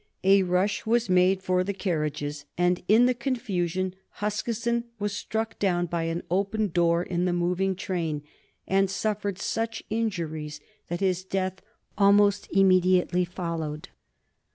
A rush was made for the carriages, and in the confusion Huskisson was struck down by an open door in the moving train, and suffered such injuries that his death almost immediately followed.